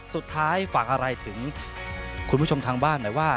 สุดท้ายฝากอะไรถึงคุณผู้ชมทางบ้านหน่อยว่า